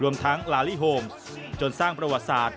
ทั้งลาลี่โฮมจนสร้างประวัติศาสต